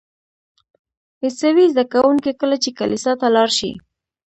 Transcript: عیسوي زده کوونکي کله چې کلیسا ته لاړ شي.